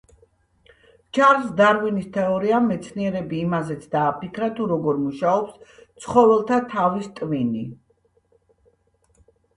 ჩარლზ დარვინის თეორიამ მეცნიერები იმაზეც დააფიქრა, თუ როგორ მუშაობს ცხოველთა თავის ტვინი.